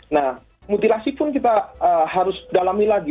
nah mutilasi pun kita harus dalami lagi